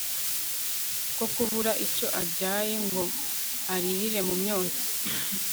ko kubura icyo abyaye ngo aririre mu myotsi